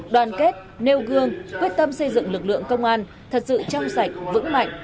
đoàn kết nêu gương quyết tâm xây dựng lực lượng công an thật sự trong sạch vững mạnh